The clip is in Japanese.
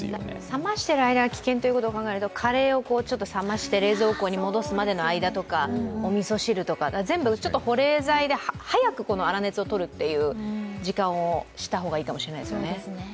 冷ましている間は危険ということを考えると、カレーを冷まして冷蔵庫に戻すまでの間とかおみそ汁とか全部、保冷剤で早く粗熱を取った方がいいかもしれませんね。